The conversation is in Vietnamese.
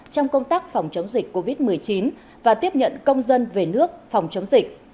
trong công tác phòng chống dịch covid một mươi chín và tiếp nhận công dân về nước phòng chống dịch